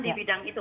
di pandemi itu